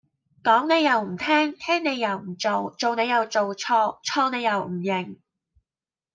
講你又唔聽聽你又唔做做你又做錯錯你又唔認